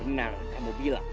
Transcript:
benar kamu bilang